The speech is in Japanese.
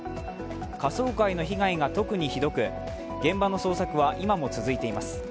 下層階の被害が特にひどく、現場の捜索は今も続いています。